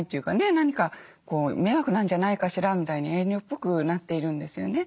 何か迷惑なんじゃないかしらみたいに遠慮っぽくなっているんですよね。